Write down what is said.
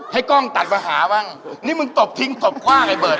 กล้องตัดมาหาบ้างนี่มึงตบทิ้งตบคว่างไอเบิร์ด